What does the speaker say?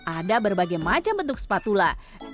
ada berbagai macam bentuk spatula